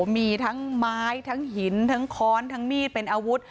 มีทั้งไม้ทั้งหินทั้งค้อนทั้งมีดเป็นอาวุธ